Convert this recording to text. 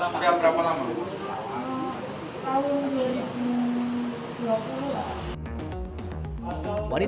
setiap petang berapa lama